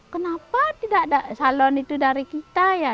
kenapa tidak ada salon itu dari kita ya